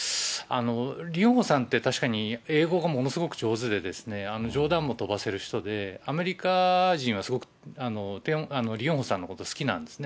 リ・ヨンホさんて確かに英語がものすごく上手で、冗談も飛ばせる人で、アメリカ人はすごく、リ・ヨンホさんのこと好きなんですね。